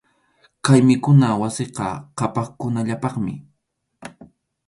Kay mikhuna wasiqa qhapaqkunallapaqmi.